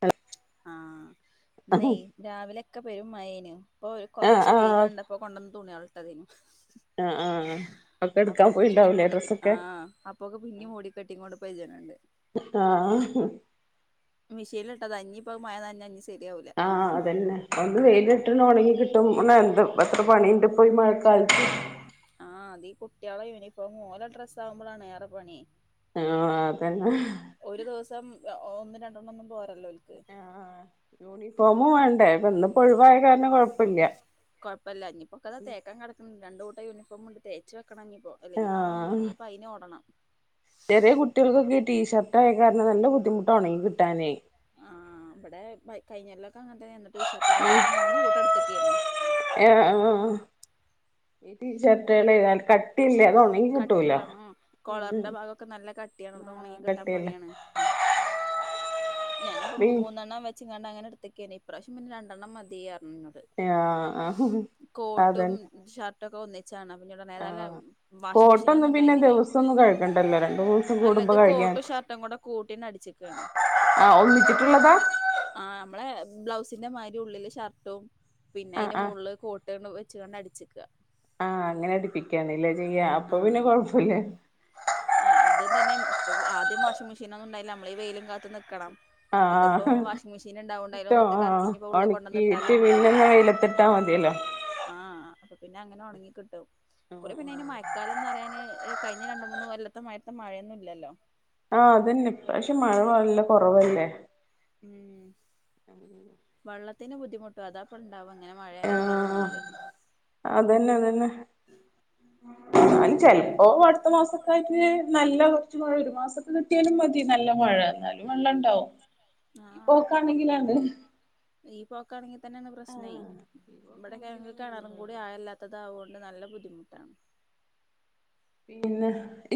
Hello ആഹ് ഇന്നേ രാവിലൊക്കെ പെരും മഴേനു ഇപ്പൊ ഒരു ആഹ് കൊറച്ച് വെയില് ആഹ് കണ്ടപ്പോ കൊണ്ടുവന്ന് തുണികളിട്ടതേനു ആഹ് ഒക്കെ എടുക്കാൻ അപ്പോക്ക് പിന്നേ പോയിണ്ടാവൂലേ മൂടിക്കെട്ടി ഡ്രസ്സൊക്കെ ആഹ് അപ്പോക്ക് പിന്നീം മൂടിക്കട്ടിങ്ങോണ്ട് പെജ്ജിണിണ്ട് ആഹ് മിഷീല്ട്ടത ഞ്പ്പത് മഴ ന്നഞ്ഞ നിസ് ആ അതന്നെ ഒന്ന് വെയിലട്ട്ണെ ഒണങ്ങി കിട്ടും ണെ എന്തു എത്രു പണിണ്ട് പോയി മഴക്കാലത്ത് കുട്ടിയേളെ യൂണിഫോമും ഓല ഡ്രസ് ആവുമ്പളാണ് ഏറെ പണി ആ അതന്നെ അ ഒന്നും രണ്ടെണ്ണം ഒന്നും പോരല്ലോ ഓൽക്ക് ആ യൂണിഫോമ് വാണ്ടേ ഇപ്പൊന്ന്പ്പൊഴ് വായി കുഴപ്പല്ല ഇനിയിപ്പൊക്കതാ തേക്കാൻ കിടക്കുന്നു രണ്ടു കൂട്ടം യൂണിഫോം ണ്ട് തേച് വെ ക്കണഞ്ഞിപ്പോ അല്ലെങ്കി നളെ മുതലഞ്ഞിപ്പോ അയിനോടണം ടെറിയ കുട്ടിയൾക്കൊക്കെ ഈ ടീഷർ ട്ടായക്കാരണം നല്ല ബുദ്ധിമുട്ടണെ കിട്ടാനെ അങ്ങനന്നെയന്ന് ടീഷർട്ട്ന്നപ്പൊ ഞാൻ മൂന്ന് കൂട്ടടുത്തക്കന്ന് ഏഹ് ആഹ് ഈ ടീഷർട്ടേല് നല്ല കട്ടിയില്ലേ അത് ഉണങ്ങി കിട്ടൂല കട്ടിയുള്ള അ ഒണങ്ങി ആഹ് കിട്ടാൻ കട്ടിയല്ല പണിയാണ് ഞാനപ്പോ മുമ്മൂന്നെണ്ണം വെച്ചങ്ങാണ്ട അങ്ങനെ എടുത്തക്കേനി ഇപ്രാവശ്യം പിന്നെ രണ്ടെണ്ണം മതിയ്ർ യാ അഹ് അതന്നെ ചാണ് പിന്ന നേതാല ആഹ് വാഷിംഗ മെഷീൻ കോട്ടൊന്നും ഒന്നും പിന്നെ ഉണ്ടായിന്നില്ലേ ദിവസൊന്നും കഴുകണ്ടല്ലോ രണ്ട് മൂന്ന്സം കൂടുമ്പോ അല്ലത് കോ കഴുകിയാ ട്ടും ഷർട്ടും കൂടെ കൂട്ടീണടിച്ചിക്കാണ് ആ ഒന്നിച്ചിട്ടുള്ളതാ നമ്മളെ ബ്ലൗസിന്റെ മാരി ഉള്ളില് ഷർട്ടും പിന്നെ ആഹ് അയ്ന്റെ ആഹ് മോളില് കോട്ടണ് ച്ചുകണ്ട അടിച്ക്ക ആഹ് അങ്ങനെ അടുപ്പിക്കാണ്ലെ ചെയ്യ അപ്പൊ പിന്നെ കൊഴപ്പില്ല ആ അത തന്നെ ഇ ആദ്യം വാഷിംഗ് മെഷീനൊന്നും ണ്ടായില്ല നമ്മള ഈ വെയിലും കാത്ത് നിൽക്കണം ആഹ് ട്ടോ അയിലൊന്നിട്ട് ആ കറക്കി ഇനിപ്പോ ഉള്ള് ഒണക്കീട്ട് കൊണ്ടന്നിട്ടാലും പിന്നെ വെയിലത്തിട്ടാ തിയല്ലോ ആ അപ്പൊ പിന്നെ അങ്ങനെ ഒണങ്ങി കിട്ടും കുറ പിന്നെ അയ്ന് മയക്കാലംന്ന് പറയാന് കഴിഞ്ഞ രണ്ട് മൂന്ന് കൊല്ലത്ത മഴത്തെ മഴൊന്നുല്ലല്ലോ ആ അതന്നെ പക്ഷെ മഴ വല്ല കുറവല്ലേ ഉം മ് വെള്ളത്തിന് ബുദ്ധമുട്ട് അതാപ്പ ഇണ്ടാവ ഇങ്ങനെ മഴ ആഹ് ഇല്ലാതെന്നാല് അയ്ൻ ചെലപ്പോ അടുത്ത മാസക്കായിട്ട് നല്ല മഴ ഒരു മാസത്തെ കട്ടിയാലും മതി നല്ല മഴ ന്നാലും വെള്ളണ്ടാവും ആഹ് പോക്കാണെങ്കിലണ്ട് ഈ പോക്കാണെങ്കിതന്നേണ് പ്രശ്നയ് ഈ ബടെക്കെ പോക്കാണെങ്കിലാണ് കിണറും കൂടി എടങ്ങേറാവാ ആയല്ലാത്തതാവു ണ്ട് നല്ല ബുദ്ധിമുട്ട പിന്നെ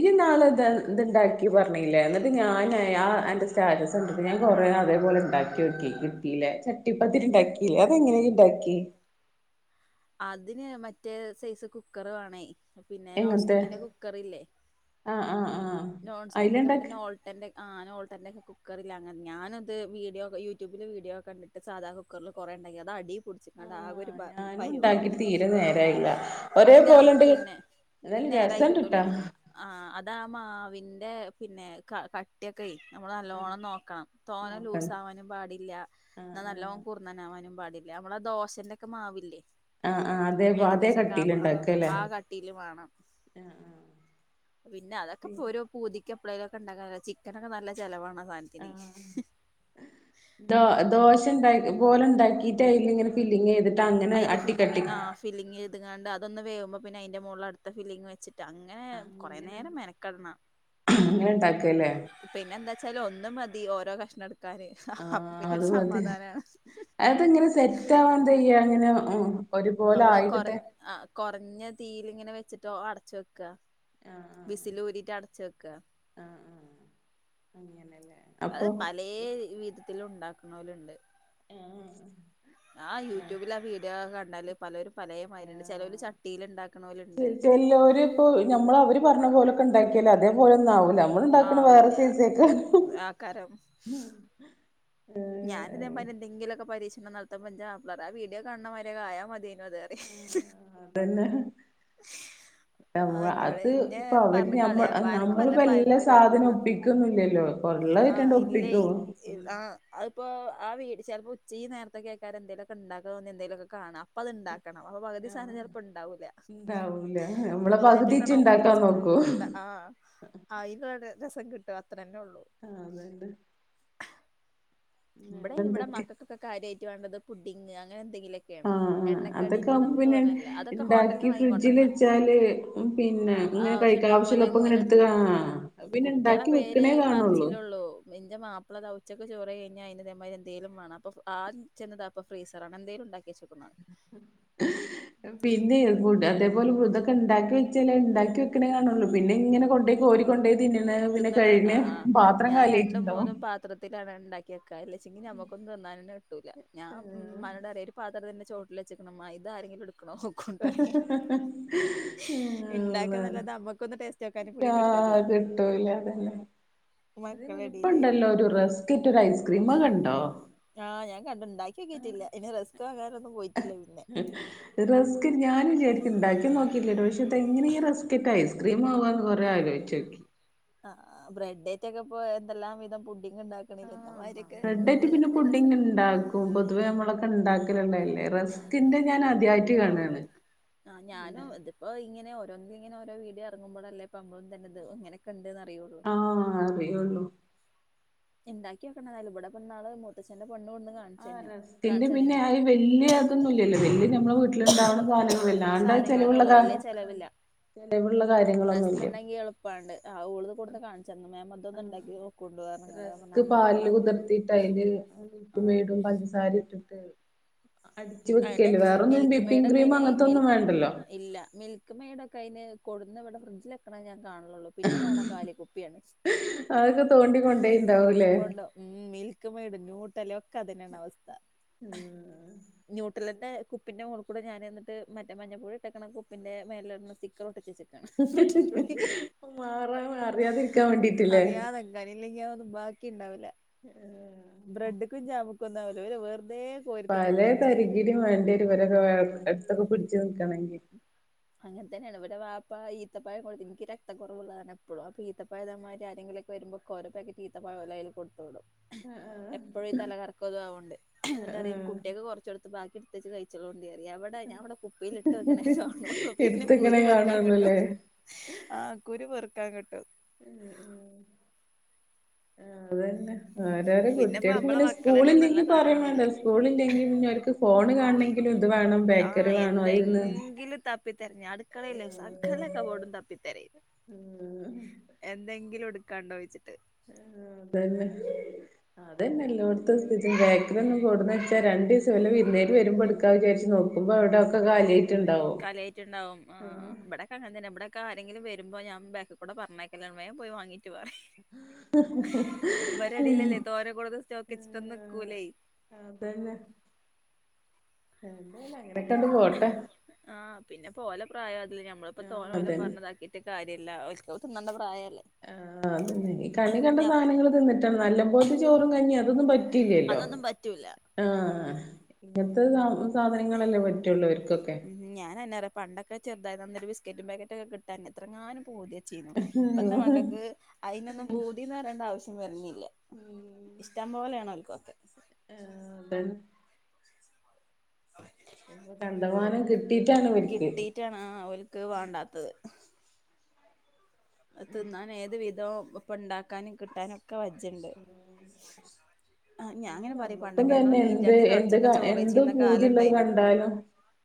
യ് ന്നാള്ത് ത്ണ്ടാക്കി പറ്ഞ്ഞീലേ ന്നിട്ട് ഞാൻ ആ അന്റെ സ്റ്റാറ്റസ് കണ്ടിട്ട് ഞാൻ കുറേ അതെ അത് പോലെണ്ടാക്കിയോക്ക്യേ കിട്ടീല ചട്ടിപ്പതിരിണ്ടാക്കിലേ അതെങ്ങനെയ്യ്ണ്ടാക്കി അതിന് മറ്റേ സൈസ് കുക്കർ വേണേ പിന്നെ എങ്ങനത്തെ നോൺസ്റ്റിക്കിന്റെ കുക്കർ ഇല്ലേ ആഹ് ആഹ് ആഹ് നോൺസ്റ്റിക്കിന്റെ മറ്റ അയില്ണ്ടാക്കി നോൾട്ടന്റെ ആ നോൾട്ടന്റെ ഒക്ക കുക്കറില്ല അങ്ങനെ ഞാനത് വീഡിയോ യൂട്യൂബില് വീഡിയോക്കണ്ട്ട്ട് സാധാ കുക്കർല് കൊറേ ഉണ്ടെങ്കിൽ അത് അടി പിടിച്ച ആക ഒരു പരുവാവും ഞാണ്ടാക്കിട്ട് തീരെ നേരായില്ല ഒരേ അതിന്റെ ആ പോലുണ്ട് പിന്നെ എന്തായാലും നേരായി കിട്ടൂല രസണ്ട്ട്ടാ ആ അതാ മാവിറെ പിന്നെ ക കട്ടിയൊക്കെ നമ്മള് ആ നല്ലോണം നോക്കണം തോനെ നോക്കണം ലൂസാവാനും പാടില്ല ആ ന്ന ആ നല്ലോം കുർന്നനാവാനും പാടില്ല നമ്മള ആ ദോശന്റെക്കെ മാവില്ലേ ആ ആ അതേ അതേ ഏകദേശൊക്കെ കട്ടിൽ ആ ഉണ്ടാക്കല്ലേ ആ കട്ടീല് വാണം. ആ ആ പിന്നെ പി അതൊക്കെപ്പോ ഒരോ പൂതിക്ക പ്പളേലുക്കെ ണ്ടാക്കാ ചിക്കനൊക്കെ നല്ല ചെലവാണ്. ആ സാധനത്തിന് ദോ ദോശണ്ടായി പോലെ ണ്ടാക്കിട്ടയിലിങ്ങനെ ഫില്ലിങ് ചെയ്തിട്ട് അങ്ങനെ അട്ടിക്കട്ടി അത്കാണ്ട് അതൊന്ന് വേവുമ്പോ പിന്നെ അയിന്റെ മോളിൽ അടുത്ത ഫീലിംങ്ങ് വെച്ചിട്ട് അങ്ങനെ ആ കൊറേ അങ്ങനെ നേരം മെനക്കെടണം. അങ്ങനെ ണ്ടാക്കാല്ലേ? ച്ചാല് ഒന്നു മതി ഓരോ കഷ്ണെട് ആ അതുപോൽത അതെങ്ങനെ സെറ്റാവാനെന്ത ചെയ്യാ അങ്ങനൊ നമ്മള് കൊറ ആ കൊറഞ്ഞ തീയിലിങ്ങനെ വെച്ചിട്ടോ അടച്ച ക്ക ആ ആ വിസിലൂരിറ്റാടെ ക്ക ആ ആ അങ്ങനല്ലേ അത് അപ്പൊ പലേ വിധത്തിലുണ്ടാ ക്കണോല്ണ്ട്. ആ ആ യൂട്യൂബിൽ ആ വീഡിയോക്കെ കണ്ടാല് പലരും പലയമാതിരിണ്ട് ചെലൊര് ചട്ടിലിണ്ടാക്കലോര്ണ്ട്. എല്ലാരുപ്പോ ഞമ്മള് അവര് പറഞ്ഞ പോലോക്കെണ്ടാക്കിയാലേ അത് അതേ പോലൊന്നു ആവുല നമ്മള്ണ്ടാക്കണ വേറെ ആവൂല സൈസക്കെ ഞാനിതേപോലെ എന്തെങ്കിലൊക്കെ പരീക്ഷണം നടത്തുമ്പോ ഞാമ്പറ ആ വീഡിയോ കാണമാതിരിക്കായാ മതിയാന്. അതെറയ് അതന്നെ നമ്മ ആഹ് ഇന്നോട് അത് ഇന്നെ ഇപ്പ അവര് പറഞ്ഞ് ഞമ്മ കളിയാക്കും അനക്ക് വല്ല നമ്മളിപ്പോ എല്ലാ പഴമ്പൊരിയോ സാധന ഒപ്പിക്കൊന്നില്ലല്ലോ. ഒള്ളതിട്ടാണ്ട് ഒപ്പിക്കൂ. ഇപ്പൊ ആ വീട് ചെലപ്പോ ഉച് ഈ നേരത്തെക്കെയായ്കാരം എന്തേലൊക്കെ ഉണ്ടാക്കോന്നാ എന്തേലുക്കെ കാണാം അപ്പത്ണ്ടാ ക്കണം അപ പകുതി ആഹ് സാധനം ചെലപ്പോണ്ടാവൂല. ഉണ്ടാവൂല നമ്മളെ പകുതിച്ച് ഇള്ളതെറ്റേക്കൊന്ന് ഇണ്ടാക്കാൻ ഒപ്പിച്ച് നോക്കും ഇണ്ടാ ആ അയിനെടെ രസം കിട്ട അത്രന്നെ ഒള്ളൂ. ആ അതന്നെ. ഇമ്പടെ ഇവടെ വേറെന്തൊക്കെ മക്കക്കൊക്കെ കാര്യായിട്ട് വേണ്ടത് പുഡിങ്ങ് അങ്ങ് ആ അതൊക്കെ ആവുമ്പ പിന്നെ തോന്നല്ല അതൊക്കെ ഇണ്ടാക്കി ഹോട്ടലിന്ന് വാങ്ങിക്കൊണ്ടരണ ഫ്രിഡ്ജിലെച്ചാല് പിന്നെ ആഹ് ഇങ്ങനെ ആവശ്യണ്ടാവുമ്പോ കഴിക്കാവശ്യള്ളപ്പം ഇങ്ങനെ ഓലങ്ങനെ എടുത്ത് കാ പിന്നെ കുട്ട്യാളെ ഇണ്ടാക്കി പേര് വെക്കണേ കാണുള്ളൂ. പറച്ചിലൊള്ളൂ ഇന്റെ മാപ്പിളെതാ ഉച്ചക്ക് ചോറെ അയിനിതേമായി എന്തേലും വാണം അപ്പം ആദ്യം ചെന്ന്തപ്പാ ഫ്രീസർ ആണ് എന്തേലുണ്ടാക്കി വെച്ചേക്കുന്നാ പിന്നെ അതേപോലെ ഇതക്കെണ്ടാക്കി വെച്ചാലെണ്ടാക്കി വെക്കണേ കാണുള്ളൂ പിന്നെ ഇങ്ങനെ കൊണ്ടോയി കോരി കൊണ്ടോയി തിന്നണെ പിന്നെ തിന്നണ കഴിണെ ആഹ് പാത്രം കാലിയാട്ടുണ്ടാവും. ണ്ടാക്കിവെക്ക ല്ലെപ്പിന്നെ ഞമുക്കൊന്നും തിന്നാനന്നെ കിട്ടൂല ഞാൻ മ്മാനോട് പറയാ ഒരു പാത്രതിന്റെ ചോട്ടിലെച്ചേക്കണുമ്മ ഇതാരങ്കിലെടു ക്കണോക്കുണ്ടായ് ണ്ടാക്കന്നല്ലാതെ നമ്മന്നൊന്ന് ടേസ് ആ അത്ട്ടൂല അതന്നെ. അതെ മക്കളെടേല് വലിപ്പണ്ടല്ലോ ഒരു റസ്കറ്റ് ഒരു ഐസ്ക്രീമ് കണ്ടോ? ആ ഞാൻ കണ്ട് ണ്ടാക്കിയോക്കിട്ടില്ല ഇനി റെസ്കങ്ങാനും റെസ്ക് ഞാനുചാരിക്ക ണ്ടാക്കി നോക്കില്ലട്ടോ ഷേ. ഇതെങ്ങനീ റെസ് ക്കക്കെസ്ക്രീംമാവാന്ന് കൊറെലോചിച്ചോക്കി. ആ ബ്രെഡേറ്റൊക്കെ ഇപ്പൊ എന്തെല്ലാം വിധം പുഡിങ് ണ്ടാക്കണില്ലല്ലോ. ബ്രെഡാട്ട് പിന്നെ പുഡിങ്ങിണ്ടാക്കും പൊതുവേ നമ്മളൊക്കെണ്ടാക്കല്ള്ളതല്ലേ റെസ്ക്കിന്റെ ഞാനാ ദ്യായിട്ട് കാണാണ്. ആ ഞാനും ഇതിപ്പോ ഇങ്ങനെ ഒ [unintelligible] ഓരോ വീഡിയോ ഇറങ്ങ്മ്പളല്ലേ പ്പമളും തന്നെ ഇത് ഇങ്ങനൊക്കെണ്ട് ആ അറിയൊള്ളൂ. ഇണ്ടാക്കിവെക്കണതായാലും ഇവടപ്പന്നാള് മൂത്തച്ഛന്റെ പെണ്ണ് കൊണ്ടുവന്ന് ആ കാണിച്ചു തന്നെ റെസ്ക്കിന്റെ കാണിച്ചു പിന്നെ തന്നിനു അയ് വെല്ല്യ ഇതൊന്നുല്ലല്ലല്ലല്ല ല്ലേ നമ്മളെ വീട്ടിലിണ്ടാവണ സാധനങ്ങളല്ലേ. ല്ലാണ്ട സാധനങ്ങൾ തന്നെ ചെലിവുള്ള ഉള്ളൂ വലിയ ചെലവില്ല റസ്ക് ഉണ്ടെങ്കി എളുപ്പണ്ട് ആ ഉളത് കൊൂടുന്ന് കാണിച്ചു അന്ന് മേ മം ഇണ്ടാക്കി നോക്ക റസ്ക് പാല്ല് കുതിർത്തിട്ട അതില് മിൽക് ആ മേടും പഞ്ചസാര ഇട്ടിട്ട്- അടിച്ചു അയ്നെ വെക്കല് വേറൊന്നും മിൽക്ക് മെയഡ വിപ്പിംഗ് ഒക്കെ ക്രീം ഇനി അങ്ങനത്തെ മിൽ ഒന്നും വേണ്ടല്ലോ ഇല്ല മിൽക്ക് മെയഡ ഒക്കെ- കയിന് കൊടുുന്ന ഇവിടെ ഫ്രിഡ്ജിൽിലെക്കണ ഞാൻ കാണുള്ളൂ പിന്നെ കാണാ കാലിക്കുപ്പിയാണ്- അതൊക്കെ തോണ്ടികൊണ്ടേയ്ട്ടുണ്ടാവൂല്ലേ- കൊണ്ടോ ഉം മിൽക്ക് മേഡും ന്യൂട്ടല്ലയും ഒക്കെ അത്നെയാണ് അവസ്ഥ- ഉം- മുട്ടലൻ്റെ കുപ്പൻ്റെൂ മോള്കൂ ടെഞൻ എന്നിട്ട് മഞ്ഞൾയിട്ടക്കുന്ന കുപ്പൻ്റെേെന്ന് സ്റ്റിക്കറർട്ടിച്ചച്ചിട്ട്- മാറാ അറിയാതിരിക്കാൻ വേണ്ടിട്ടില്ലേ? ന്നും ബാക്കി ഇണ്ടാവില്ല- ആഹ്. [unintelligible] കോരിത്തിന്ന് പല കഴിച്ചത് തരികിട വേണ്ടിരുവരൊക്കെ അടുത്തൊക്കെ പിടച്ച് നിക്കണെങ്കി- അങ്ങനെ തന്നെയാണ് ഇവിർടെ ബാപ്പ ഈത്തപ്പായം കൊണ്ടിരീ എനിക്ക് രക്ത കുറവുള്ളതാണ് എപ്പോഴും അപ്പൊ ഈത്തപ്പായമാ- വരുമ്പൊ ഓര പാക്കറ്റ് ഈത്തപയം ഓലേകൈകൊടുത്തുടും- ആഹ് ആഹ് - എപ്പോഴുംഈ തലകർക്കും ആവ്കോണ്ട് എന്നിട്ട്റിയ കുട്ടികൾക്ക് കുറച്ചൊടുത്ത് ബാക്കി എടുത്തച്ച് കഴിച്ചത്ണ്ട എവിടെ ഞ- കുപ്പിയിലിട്ട് വെക്കണെകാണു- പിന്നെ എടുത്തക്കണേ കുരു പെറുക്കാൻ കിട്ടും കാണുള്ളൂല്ലേ ആഹ് കുരു പെറുക്കാൻ കിട്ടും- ആഹ് അതന്നെ- അതെ പിന്നെപ്പ തേകുട്ടികൾക്ക് നമ്മളെ പിന്നെ മക്കളല്ലേ നല്ല സ്കൂളില്ലെങ്കിൽ പറയാൻ വേണ്ട സാധനങ്ങളല്ലേ സ്കൂളില്ലെങ്കിൽ പിന്നെ അവർക്ക് ഫോൺ- ഓയ് കാണണെങ്കിലും ഇത് വേണം ബേക്കറി വേണവായിരുന്ന്- തിരഞ്ഞു അടുക്കളയിലെ സകല കബോർഡും തപ്പി തിരയും ഉം എന്തെങ്കിലും. ഇത് കണ്ട് ഒഴിച്ചിട്ട്. ആഹ് അതെന്നെ അതെന്നെ എല്ലായിടത്തും സ്ഥിതി ബേക്കറി ഒന്നും കൊണ്ടുന്ന് വെച്ചാല്. രണ്ട് ദിവസമല്ല വിരുന്നുക്കാരെ വരുമ്പോ എടുക്കാമെന്ന് വിചാരിച്ച് നോക്കുമ്പോ അവിടെ ഒക്കെ കാലി കാലിയായിട്ടുണ്ടാവും ആഹ് ഇവിടെ ഒക്കെ അങ്ങനെ തന്നെയാ ഇവിടെ. ഒക്കെ ആരെയെങ്കിലും വരുമ്പോ ഞാൻ ബാക്കിൽ കൂടെ പറഞ്ഞേയക്കല് വേഗം പോയി വാങ്ങിയിട്ട് വാ. ഇവരുടെ ഇടയിൽ ഉം അല്ലേ തോരൻ കൊണ്ടുവന്ന് സ്റ്റോക്ക് വെച്ചിട്ടന്ന് നിക്കൂലെ. അതെന്നെ വെറുതെയല്ല അങ്ങനൊക്കെണ്ട് പോട്ടെ. ആഹ് പിന്നെപ്പോ ഓലെ പ്രായം അതല്ലേ ഞമ്മളിപ്പോ ആ തോന്ന് പോലെ അതന്നെ പറഞ്ഞതാക്കിട്ട് കാര്യയില്ല ഓലെക്ക് തിന്നേണ്ട പ്രായം. ആഹ് അതെന്നെ ഈ കണ്ണി കണ്ട സാധനങ്ങൾ തിന്നിട്ടാണ്, നല്ല പോലത്തെ ചോറും കഞ്ഞി അതൊന്നും പറ്റിയില്ലല്ലോ. അതൊന്നും പറ്റൂല. ആഹ് ഇങ്ങനത്തെ സ സാധനങ്ങളല്ലേ പറ്റുള്ളൂ ഇവർക്കൊക്കെ. അതായത് അന്നൊരു ബിസ്ക്കറ്റും പാക്കറ്റ് ഒക്കെ കിട്ടാൻ എത്ര എങ്ങാനും പൂതി തന്നെ. ചെയ്യുന്നു ആഹ് ഇപ്പത്തെ മകൾക്ക് അതിനൊന്നും പൂതിന്ന് പറയേണ്ടേ ആവശ്യം വരേയില്ല. ഇല്ല ഇഷ്ടം പോലെയാണ് അവർക്കൊക്കെ. അതാണ് ഇപ്പം കണ്ടമാനം കിട്ടിയിട്ടാണ് ഇവർക്ക്. കിട്ടിയിട്ടാണ് ഓൽക്ക് വേണ്ടാത്തത് തിന്നാൻ ഏത് വിധവും ഇപ്പൊ ഉണ്ടാക്കാനും കിട്ടാനും ഒക്കെ വജ്ജുണ്ട്. ആഹ് ഞാൻ ഇനി അങ്ങനെ പറയും നമുക്കും പണ്ടൊക്കെ ഞങ്ങള് തന്നെ എന്ത് മീൻചട്ടി എന്ത് തൊടച്ചൊക്കെ ചോറ് എന്ത് വെച്ചിരുന്ന കാലം പൂതിയുള്ളത് ഉണ്ടായിനു കണ്ടാലും.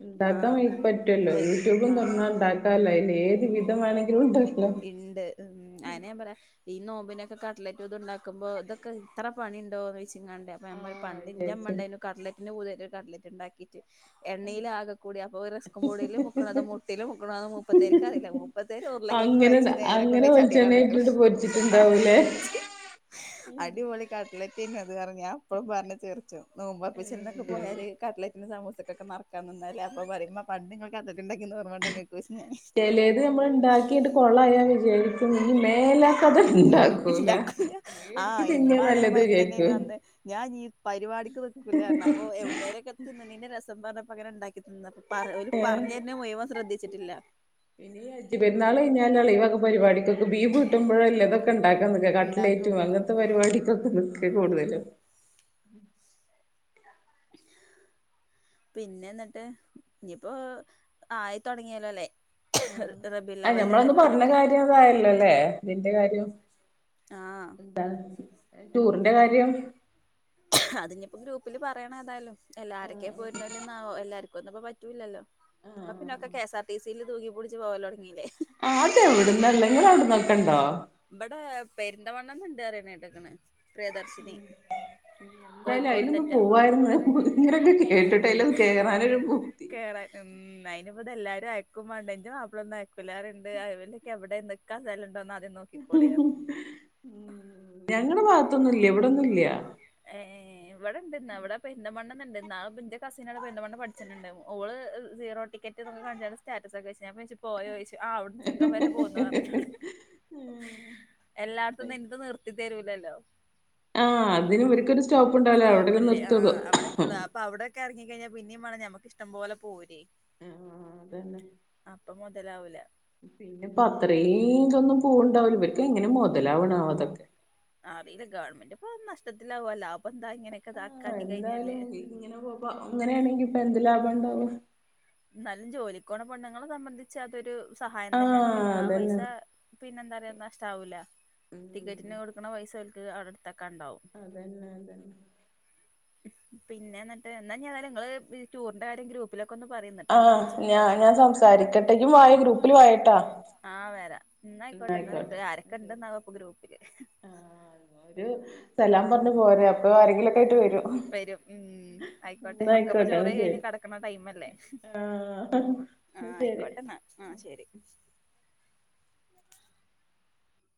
ഉണ്ടാക്കാൻ ആഹ് വേണ്ടി പറ്റുവല്ലോ, വൈക്ക് യൂട്യൂബും ആഹ് തുറന്നാൽ ഉണ്ടാക്കാലോ അതില് ഏത് വിധം വേണമെങ്കിലും. ഉണ്ടല്ലോ ഇണ്ട് ഉം അയിന് ഞാൻ പറയാം. ഈ നോമ്പിനൊക്കെ കട്ട് ലൈറ്റ് ഇത് ഉണ്ടാക്കുമ്പോ ഇതൊക്കെ ഇത്ര പണി ഇണ്ടോ വിചാ എങ്ങാണ്ട് ഞാൻ പറയും ആഹ് പണ്ട് എന്റെ അമ്മ വിചാരിച്ച് ഉണ്ടായിരുന്നു കട്ട്‌ ലൈറ്റിന്റെ പൂതി കട്ട് ലൈറ്റ് ഇണ്ടാക്കി. റ്റ് എണ്ണയിൽ ആകെ കൂടി അപ്പൊ ഓര് സ്പൂണിലെ മുക്കണം മൊട്ടയിലും മുക്കണം മുപ്പത്തേർക്ക് അറിയില്ല മുപ്പത്തേരെ ഉം. അങ്ങനന്നെ അങ്ങനെ വെളിച്ചെണ്ണേ യിട്ടിട്ട് പൊരിച്ചിട്ടുണ്ടാവൂലേ അടിപൊളിക്കട് ലറ്റിന് അത് കാറണം ഞാ എപ്പോഴും [unintelligible] കാട്ലറ്റിനും സമൂസക്കേക്കെ ന കാന്നന്നല്ല അപ്പോ പറയും ഉമ്മാ പണ്ടിങ്ങള് [unintelligible] ണ്ടാക്കി തന്നത് ഓർമ്മണ്ടോ നിങ്ങക്ക് [unintelligible] പ്പളേ ഞാ വിജരിക്കും ഇനി മേല [unintelligible] ഇണ്ടാക്കൂല ആഹ് തിന്നാ ഇമ്മ നല്ലത് അതേമാതിരി തന്നെ വിചാരിക്കും വന്ന് ഞാൻ ഈ പരിപാടിക്ക് നി ക്കുല പറണ് അപ്പോ എവിടുന്നേരൊക്ക തിന്നാണെന്നെ രസം പറഞ്ഞപ്പങ്ങനെണ്ടാക്കി തന്നാ പറ ഓല് ഏഹ് പറഞ്ഞരണേ മുയുവൻ ശ്രദ്ധിച്ചിട്ടില്ല [unintelligible] ഇവക പരിപാടിക്കൊ ബീഫ്ക്കിട്ടുമ്പോഴല്ലതക്ക ണ്ടാക്കാൻ നിക്കാ കട്ട്ലേറ്റും ഇണ്ടാക്കോക്കൊള്ളു അങ്ങനത്തെ പരിപാടിക്കൊക്കെ നിക്ക് ഉം കൂടുതലും പിന്നെ എന്നിട്ട് ഇനിപ്പോ ആയിത്തൊടങ്ങിയലോല്ലേ ആഹ് ആ ഞമ്മളന്ന് പറഞ്ഞ കാര്യം അതായല്ലോല്ലേ ഇതിന്റെ കാര്യോം ആഹ് എന്താണ് ഏഹ് ടൂറിന്റെ കാര്യം അതിനിപ്പോ ഗ്രൂപ്പില് പറയണ ഏതായാലും എല്ലാരൊക്കെ പോയിരുണോലും എല്ലാര് ക്കൊന്നുംപ്പാ പറ്റൂല്ലല്ലോ ഇപ്പ ആഹ് പിന്നെക്കെ കെ സാർ ടിസില് തൂക്കി പിടിച്ച് പോവലോ ആഹ് അതെ എവിടന്നള്ളെ നിങ്ങളെ അവിടുന്നൊക്കെണ്ടോ പെരുന്തവണ്ണന്നുണ്ട് പറയണാ കേട്ടേക്കണ് പ്രിയദർശിനി ഉം എന്തായാലും അയിലൊന്ന് കോഴിക്കോട്ത്തറ്റം പോവാരുന്ന് ഇങ്ങനൊക്കെ കേട്ടിട്ടെ അയിലെന്ന് കേറാനൊരു പൂതി [unintelligible] ഇനി ഇവടെ എല്ലാരും അയ്ക്കുംവേണ്ട എന്റെ മാപ്പളാ ഒന്നും അയക്കൂലാ [unintelligible] സ്ഥലഒണ്ടോ എന്നാ ഞങ്ങടെ ഭാഗത്തൊന്നുംല്ല ഇവിടെന്നുംല്ല്യ ഇവിടെണ്ട് ഇവിടെ പെന്തമണ്ണന്ന് ണ്ട് ഇന്നാള് ന്റെ കസിനടെ പെന്തമണ്ണേ പഠിച്ചിട്ടുണ്ട് ഓള് സീറോ ടിക്കറ്റ് യ്തൊക്കെ കാണിച്ചാണ്ട് സ്റ്റാറ്റസ് ഒക്കെ വെച്ച് ഞാൻ പ്പോയ്ച്ചു പോയോ യ്ച്ചു ആഹ് അവട്ന്ന് ചുങ്ക് വരെ പോന്നൂ അർഞ്ഞുന്നോട് എല്ലാടത്ത്ന്നും ഇൻക്ക് നിർത്തി തരൂലല്ലോ ആഹ് അതിനും ഇവർക്കൊരു സ്റ്റോപ്പ് ഇണ്ടാവൂലേ അവടെല്ലെ നിർത്തൊള്ളൂ ക്ക എറങ്ങി കഴിഞ്ഞാ പിന്നിം വേണം ഞമ്മക്ക് ഇഷ്ടം പോലെ പോരേ അപ്പൊ മൊതലാവൂല പിന്നെപ്പത്രേതൊന്നും പോവ്ണ്ടാവുല ഇവര്ക്ക് എങ്ങനെ മൊതലാവ്ണാവോ ഇതൊക്കെ അറീല ഗവൺമെന്റ് ഇപ്പ നഷ്ടത്തിലാവും അല്ലാതെപ്പന്താ ഇങ്ങനെക്കെതാ ആഹ് എന്തായാലും ഇങ്ങനെ പോപ്പ ഇങ്ങനേണെങ്കി ഇപ്പൊ എന്ത് ലാഭാ ഇണ്ടാവ ഇന്നാലും ജോലിക്കോണ പെണ്ണുങ്ങളെ സംബന്ധിച്ച് അതൊരു സഹായം തന്നേണ് ആഹ് ഓൽക്ക് ആ പൈസ അതന്നെ പിന്നെ എന്താറ്യാ നഷ്ടവൂല. ഉം ടിക്കറ്റിന് കൊടുക്ക്ണ പൈസ ഓൽ അതന്നെ അതന്നെ പിന്നെ ഇന്നിട്ട് ഇഞ്ഞേതായാലും ഇങ്ങള് ടൂറിന്റെ കാര്യം ഗ്രൂപ്പിലൊക്കൊന്ന് ആഹ് ഞാ ഞാൻ സംസാരിക്കട്ടേ ഇയ്യും വായ ഗ്രൂപ്പിൽ വായട്ടാ ഇന്നാ ആയ്ക്കോട്ടെ ഇന്നാ വെച്ചളി ആരക്കെണ്ടന്നാവോ പ്പൊ ഗ്രൂ ആഹ് ഇന്നാ ഒരു സ്ലാം പറഞ്ഞ് പോരേ അപ്പൊ ആരെങ്കിലും ഒക്കെ ആയിട്ട് വരും വരും ഉം ആയിക്കോട്ടെ ഒക്കപ്പൊ ഇന്നയ്ക്കോട്ടെ ചോറ് ഇന്നാ കഴി ശരി കഴിഞ്ഞ് കെടക്കണ ടൈമല്ലേ ആഹ് ആഹ് ന്നാ ആ ശരി. യ്ക്കോട്ടെന്നാ ആഹ് ശരി